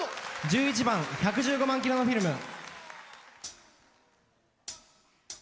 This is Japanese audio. １１番「１１５万キロのフィルム」。